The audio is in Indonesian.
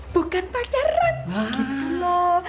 bukan pacaran gitu loh